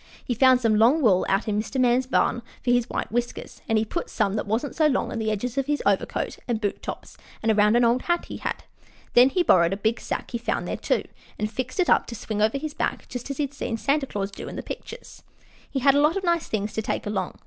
He found some long wool out in Mr. Man's barn for his white whiskers, and he put some that wasn't so long on the edges of his overcoat and boot tops and around an old hat he had. Then he borrowed a big sack he found out there, too, and fixed it up to swing over his back, just as he had seen Santa Claus do in the pictures. He had a lot of nice things to take along.